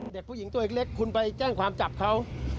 เด็กผู้หญิงตัวเล็กคุณไปแจ้งความจับเขา